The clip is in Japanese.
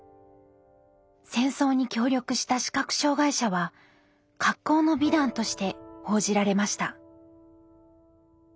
戦争に協力した視覚障害者は格好の美談として報じられました。